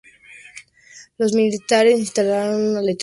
Los militares instalaron una letrina donde alguna vez estuvo el altar.